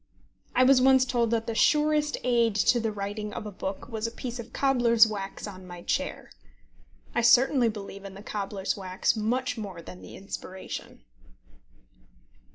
I was once told that the surest aid to the writing of a book was a piece of cobbler's wax on my chair. I certainly believe in the cobbler's wax much more than the inspiration.